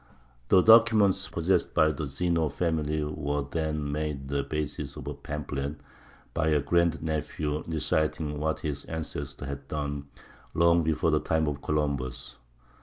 The documents possessed by the Zeno family were then made the basis of a pamphlet by a grand nephew reciting what his ancestor had done, long before the time of Columbus.